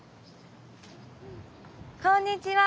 こんにちは。